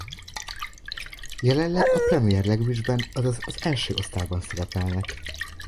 Jelenleg a Premier League-ben azaz az első osztályban szerepelnek.